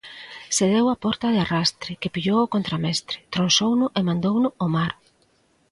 Cedeu a porta de arrastre, que pillou o contramestre, tronzouno e mandouno ao mar.